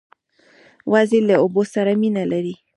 وزې له اوبو سره مینه لري